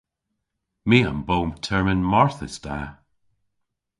My a'm bo termyn marthys da.